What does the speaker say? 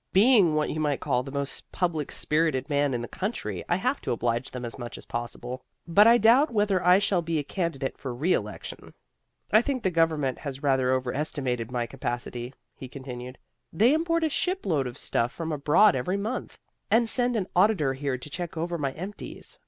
Being what you might call the most public spirited man in the country, I have to oblige them as much as possible. But I doubt whether I shall be a candidate for reelection. "I think the government has rather overestimated my capacity," he continued. "They import a shipload of stuff from abroad every month, and send an auditor here to check over my empties.